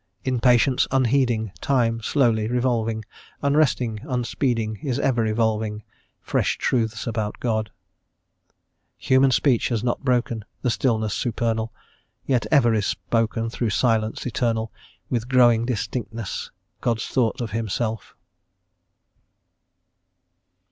Impatience unheeding, Time, slowly revolving; Unresting, unspeeding, Is ever evolving Fresh truths about God. Human speech has not broken The stillness supernal: Yet ever is spoken Through silence eternal, With growing distinctness God's Thought of Himself.